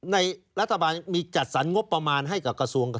ในรัฐบาลมีจัดสรรงบประมาณข้าจะกระทับวงค์กลม